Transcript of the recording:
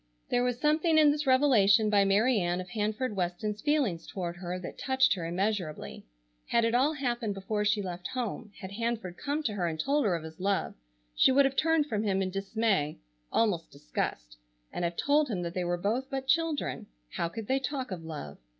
There was something in this revelation by Mary Ann of Hanford Weston's feelings toward her that touched her immeasurably. Had it all happened before she left home, had Hanford come to her and told her of his love, she would have turned from him in dismay, almost disgust, and have told him that they were both but children, how could they talk of love.